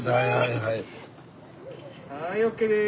はいＯＫです。